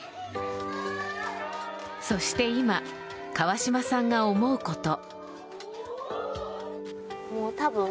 そして今川島さんが思うこと。